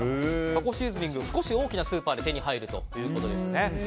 タコシーズニング少し大きなスーパーで手に入るということですね。